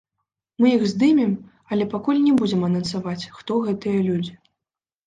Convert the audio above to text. Мы іх здымем, але пакуль не будзем анансаваць, хто гэтыя людзі.